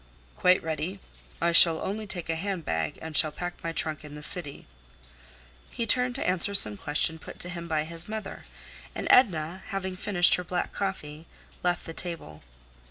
"Quite ready. I shall only take a hand bag, and shall pack my trunk in the city." He turned to answer some question put to him by his mother, and Edna, having finished her black coffee, left the table.